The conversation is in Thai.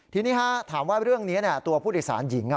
ทีนี้ถามว่าเรื่องนี้ตัวผู้โดยสารหญิง